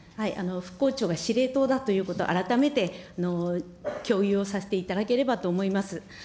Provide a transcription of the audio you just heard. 復興庁が司令塔だということを改めて共有をさせていただければと思います。